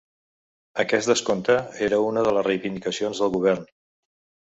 Aquest descompte era una de les reivindicacions del govern.